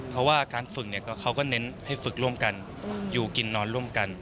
เพราะว่าการฝึกเขาก็เน้นให้ฝึกร่วมกันอยู่กินนอนร่วมกัน